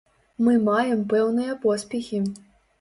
Мы маем пэўныя поспехі.